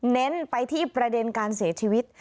เน้นไปที่ประเด็นการเสียชีวิต